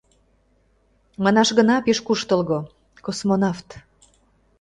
Манаш гына пеш куштылго — космонавт.